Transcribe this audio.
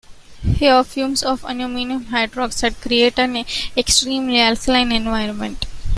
Here, fumes of ammonium hydroxide create an extremely alkaline environment.